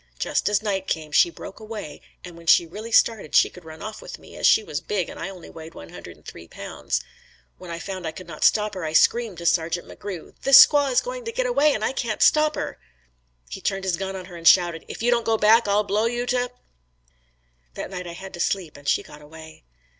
Just as night came, she broke away and when she really started she could run off with me, as she was big and I only weighed one hundred and three pounds. When I found I could not stop her, I screamed to Sargeant MCGrew, "This squaw is going to get away and I can't stop her." He turned his gun on her and shouted, "If you don't go back, I'll blow you to h ." That night I had to sleep and she got away.